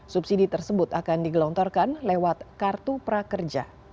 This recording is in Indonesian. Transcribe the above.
subsidi tersebut akan digelontorkan lewat kartu prakerja